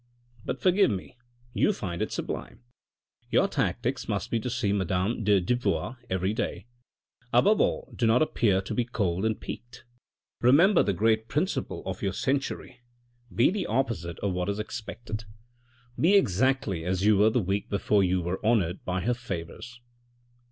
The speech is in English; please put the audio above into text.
" But forgive me, you find it sublime. Your tactics must be to see Madame de Dubois every day ; above all do not appear to be cold and piqued. Remember the great principle of your century : be the opposite of what is expected. Be exactly as you were the week before you were honoured by her favours."